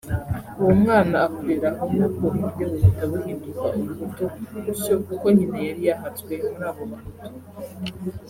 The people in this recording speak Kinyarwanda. uwo mwana akurira aho n’ubwoko bwe buhita buhinduka ubuhutu gutyo kuko nyina yari yahatswe muri abo bahutu